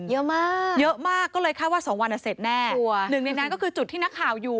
เยอะมากเยอะมากก็เลยคาดว่าสองวันอ่ะเสร็จแน่หนึ่งในนั้นก็คือจุดที่นักข่าวอยู่